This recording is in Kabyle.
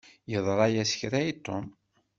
Yeḍṛa-yas kra i Tom.